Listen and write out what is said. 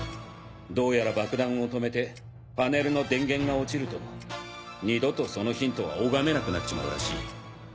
どうやら爆弾を止めてパネルの電源が落ちると二度とそのヒントは拝めなくなっちまうらしい。